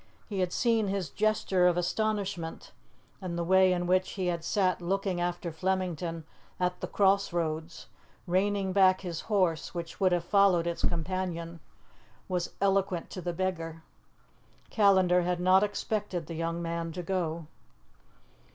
He had seen his gesture of astonishment, and the way in which he had sat looking after Flemington at the cross roads, reining back his horse, which would have followed its companion, was eloquent to the beggar. Callandar had not expected the young man to go.